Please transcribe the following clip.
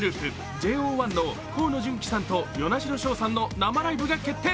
ＪＯ１の河野純喜さんと與那城奨さんの生ライブが決定。